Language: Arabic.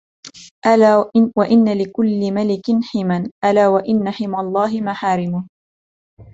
أَلاَ وَإِنَّ لِكُلِّ مَلِكٍ حِمًى، أَلاَ وإِنَّ حِمَى اللهِ مَحَارِمُـهُ